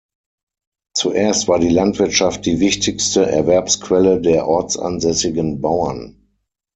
Zuerst war die Landwirtschaft die wichtigste Erwerbsquelle der ortsansässigen Bauern.